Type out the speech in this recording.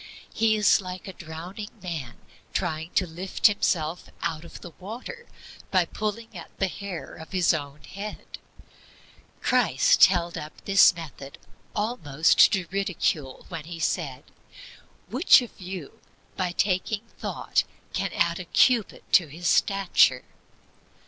He is like a drowning man trying to lift himself out of the water by pulling at the hair of his own head. Christ held up this method almost to ridicule when He said, "Which of you by taking thought can add a cubit to his stature?" Put down that method forever as being futile.